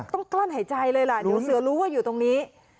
กลั้นหายใจเลยล่ะเดี๋ยวเสือรู้ว่าอยู่ตรงนี้